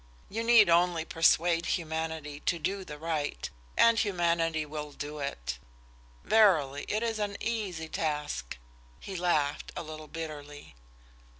You need only persuade humanity to do right, and humanity will do it. Verily, it is an easy task!" He laughed, a little bitterly.